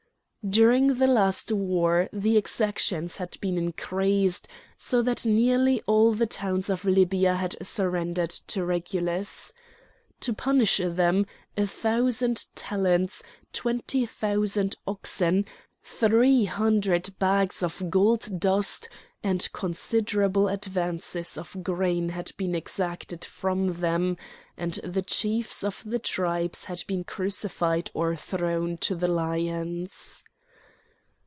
During the last war the exactions had been increased, so that nearly all the towns of Libya had surrendered to Regulus. To punish them, a thousand talents, twenty thousand oxen, three hundred bags of gold dust, and considerable advances of grain had been exacted from them, and the chiefs of the tribes had been crucified or thrown to the lions.